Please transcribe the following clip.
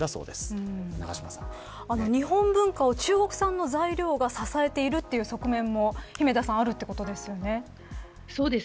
日本文化を中国産の材料が支えているという側面も姫田さんあるということですよね。